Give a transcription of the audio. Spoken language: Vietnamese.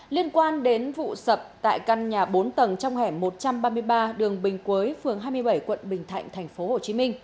liên quan đến vụ sập tại căn nhà bốn tầng trong hẻm một trăm ba mươi ba đường bình quế phường hai mươi bảy quận bình thạnh tp hcm